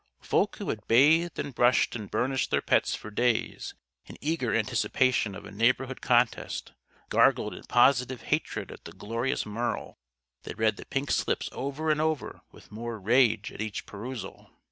Folk who had bathed and brushed and burnished their pets for days, in eager anticipation of a neighborhood contest, gargled in positive hatred at the glorious Merle. They read the pink slips over and over with more rage at each perusal.